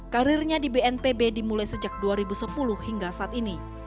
karirnya di bnpb dimulai sejak dua ribu sepuluh hingga saat ini